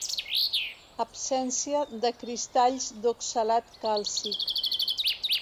Absència de cristalls d'oxalat càlcic.